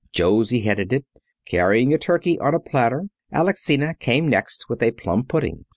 Josie headed it, carrying a turkey on a platter. Alexina came next with a plum pudding.